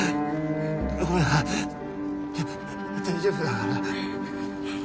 俺は大丈夫だから。